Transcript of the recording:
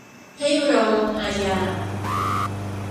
ให้รอลงอาญา